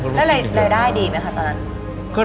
แล้วรายได้ดีไหมคะตอนนั้น